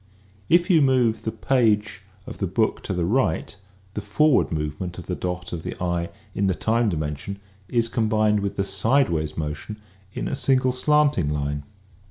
If you move the page to the right the forward movement of the dot of the i in the time dimension is combined with the sideways motion in a single slanting line.